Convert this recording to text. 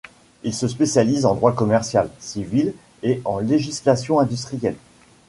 Il se spécialise en droit commercial, civil et en législation industrielle.